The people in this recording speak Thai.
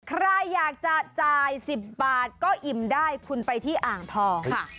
ใครอยากจะจ่าย๑๐บาทก็อิ่มได้คุณไปที่อ่างทองค่ะ